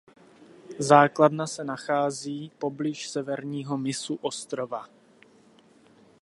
Základna se nachází poblíž severního mysu ostrova.